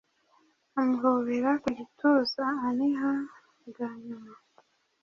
Amuhobera ku gituza, aniha bwa nyuma.